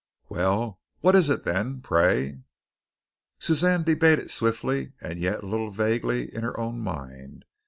"Well, what is it then, pray?" Suzanne debated swiftly and yet a little vaguely in her own mind.